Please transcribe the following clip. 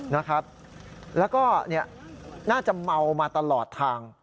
แล้วก็น่าจะเมามาตลอดทาง